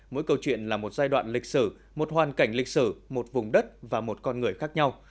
mỗi câu chuyện là một giai đoạn lịch sử một hoàn cảnh lịch sử một vùng đất và một con người khác nhau